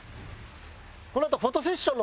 このあとフォトセッション。